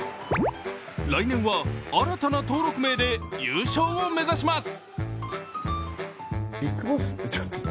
来年は新たな登録名で優勝を目指します。